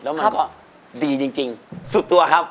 แล้วมันก็ดีจริงสุดตัวครับ